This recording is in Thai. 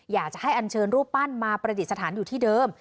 อยากจะให้อันเชิญรูปปั้นมาประดิษฐานอยู่ที่เดิม